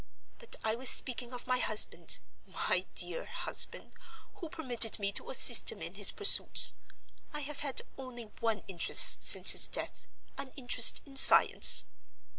But I was speaking of my husband—my dear husband, who permitted me to assist him in his pursuits. I have had only one interest since his death—an interest in science.